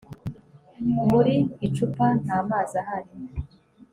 Muri icupa nta mazi ahari